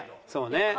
そうね。